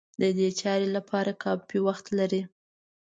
د دې چارې لپاره کافي وخت لري.